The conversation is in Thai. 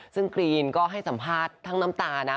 ซึ่งกรีนก็ให้สัมภาษณ์ทั้งน้ำตานะ